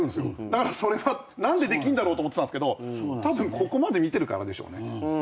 だからそれは何でできんだろうと思ってたんすけどたぶんここまで見てるからでしょうね。